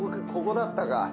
ここだったか